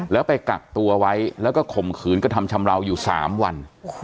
แล้วไปกักตัวไว้แล้วก็ข่มขืนกระทำชำราวอยู่๓วัน